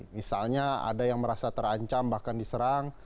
misalnya ada yang merasa terancam bahkan diserang